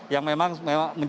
yang memang menjadi keharusan